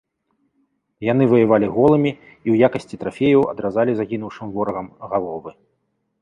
Яны ваявалі голымі і ў якасці трафеяў адразалі загінуўшым ворагам галовы.